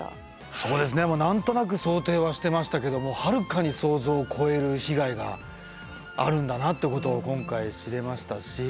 そうですね何となく想定はしてましたけどもはるかに想像を超える被害があるんだなってことを今回知れましたし。